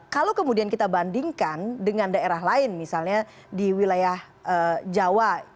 kalau kemudian kita bandingkan dengan daerah lain misalnya di wilayah jawa